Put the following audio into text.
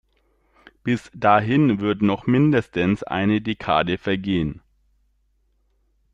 Bis dahin wird noch mindestens eine Dekade vergehen.